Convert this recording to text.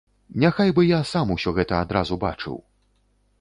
Няхай бы я сам усё гэта адразу бачыў.